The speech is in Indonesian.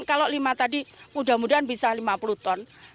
kalau lima tadi mudah mudahan bisa lima puluh ton